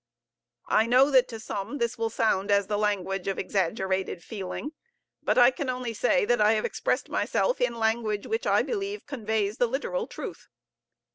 I know that to some this will sound as the language of exaggerated feeling; but I can only say that I have expressed myself in language which I believe conveys the literal truth.